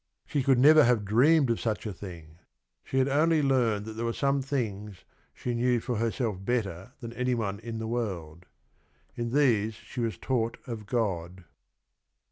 She could never have dreamed of such a thing. She had only learned that there were some things she knew for herself better than any one in the world. In these she was taught of God.